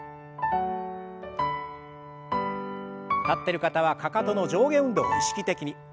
立ってる方はかかとの上下運動を意識的に。